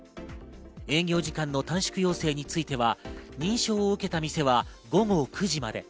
営業時間の短縮要請については、認証を受けた店は午後９時まで。